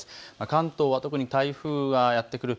関東は特に台風がやって来る